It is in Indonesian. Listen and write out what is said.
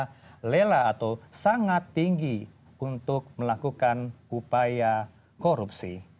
jadi kita akan lihat apa saja yang bisa kita lakukan untuk melakukan upaya korupsi